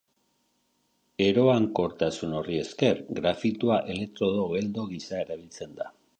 Eroankortasun horri esker, grafitoa elektrodo geldo gisa erabiltzen da.